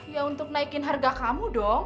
ya untuk naikin harga kamu dong